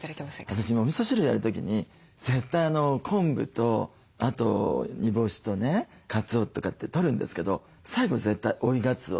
私おみそ汁やる時に絶対昆布とあと煮干しとねかつおとかってとるんですけど最後絶対追いがつお。